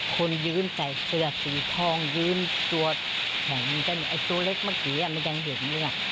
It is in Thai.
คนยืนใส่เสือสีทองยืนตัวแขนตัวเล็กเมื่อกี้มันยังเหมือนกัน